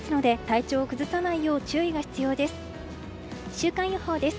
週間予報です。